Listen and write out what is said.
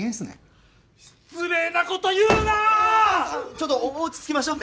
ちょっと落ち着きましょう。